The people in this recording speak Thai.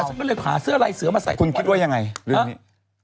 ฉันก็เลยหาเสื้อลายเสือมาใส่คุณคิดว่ายังไงนะฮะ